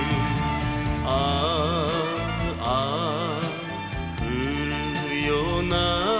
「ああ降るような」